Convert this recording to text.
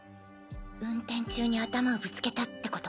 運転中に頭をぶつけたってこと？